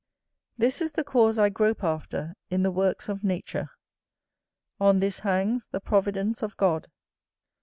This is the cause I grope after in the works of nature; on this hangs the providence of God.